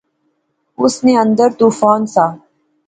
اس نے اندر طوفان سا